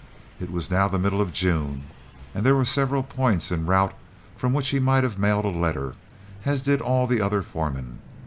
It was now the middle of June, and there were several points en route from which he might have mailed a letter, as did all the other foremen.